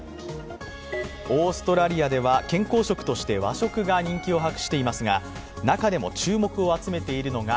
オーストラリアでは健康食として和食が人気を博していますが、中でも注目を集めているのが、ＭＩＳＯ。